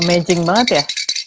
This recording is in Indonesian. amazing banget ya